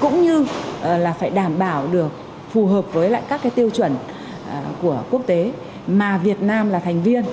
cũng như là phải đảm bảo được phù hợp với lại các cái tiêu chuẩn của quốc tế mà việt nam là thành viên